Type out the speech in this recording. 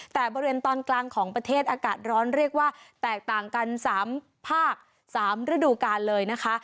แต่บริเวณตอนกลางของประเทศอากาศร้อนเรียกว่าแตกต่างกัน๓ภาค๓ฤดูกาลเลยนะคะ